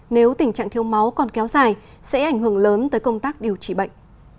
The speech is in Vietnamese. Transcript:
nếu tình trạng thiếu máu còn kéo dài sẽ ảnh hưởng lớn tới công tác điều trị bệnh